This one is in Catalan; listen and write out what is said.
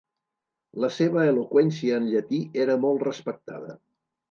La seva eloqüència en llatí era molt respectada.